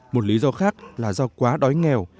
một lý do khác là do quá đói nghèo